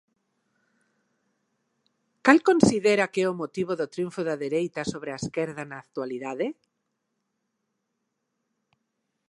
Cal considera que é motivo do triunfo da dereita sobre a esquerda na actualidade?